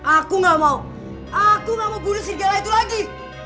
aku gak mau aku gak mau budi segala itu lagi